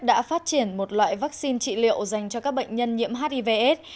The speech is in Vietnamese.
is đã phát triển một loại vaccine trị liệu dành cho các bệnh nhân nhiễm hiv aids